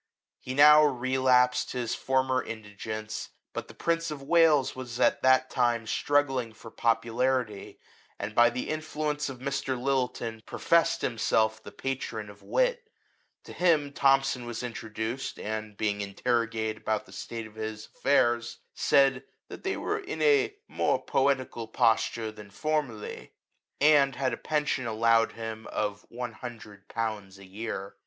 He now relapsed to his former indigence ; but the prince of Wales was at that time struggling for popularity, and by the influ ence of Mr. Lyttelton professed himself the patron of wit : to him Thomson was intro duced, and being interrogated about the state of his affairs, said, " that they were in a more poetical posture than formerly ;" and LIFE OF THOMSON. XV had a pension allowed him of one hundred pounds a year.